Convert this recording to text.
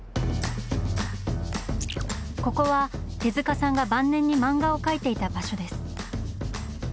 ここは手さんが晩年に漫画を描いていた場所です。